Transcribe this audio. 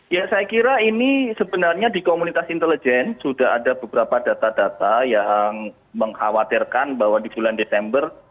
ya saya kira ini sebenarnya di komunitas intelijen sudah ada beberapa data data yang mengkhawatirkan bahwa di bulan desember